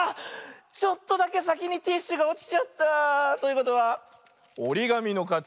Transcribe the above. ちょっとだけさきにティッシュがおちちゃった。ということはおりがみのかち。